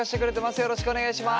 よろしくお願いします。